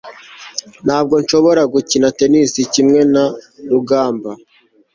ntabwo nshobora gukina tennis kimwe na rugamba